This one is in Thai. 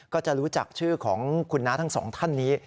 ก็จะรู้จักชื่อของคุณน้าทั้งสองท่านนี้